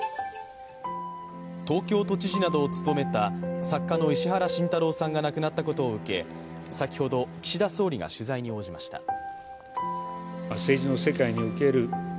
東京都知事などを務めた作家の石原慎太郎さんが亡くなったことを受け先ほど、岸田総理が取材に応じました。